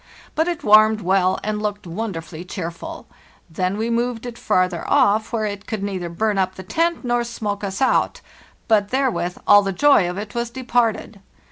But it warmed well and looked wonderfully cheerful. Then we moved it farther off, where it could neither burn up the tent nor smoke us out; but therewith all the joy of it was departed.